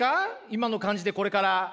今の感じでこれから。